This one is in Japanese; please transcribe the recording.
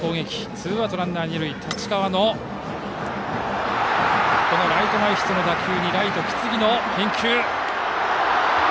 ツーアウトランナー、二塁太刀川のライト前ヒットの打球にライトの木次の返球。